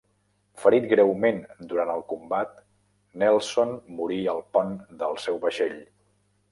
Ferit greument durant el combat, Nelson morí al pont del seu vaixell.